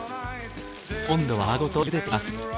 今度は皮ごと茹でていきます。